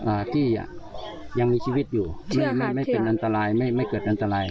อ่าที่อ่ะยังมีชีวิตอยู่ไม่ไม่ไม่เป็นอันตรายไม่ไม่เกิดอันตราย